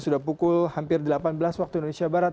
sudah pukul hampir delapan belas waktu indonesia barat